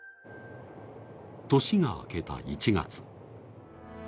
年が明けた１月。